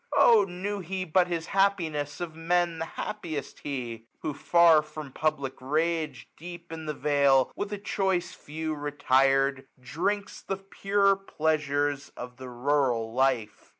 Oh knew he but his happiness, of Men The happiest he ! who far from public rage. Deep in the vale, with a choice Few retired, ^235 Drinks the pure pleasures of the Rural Life.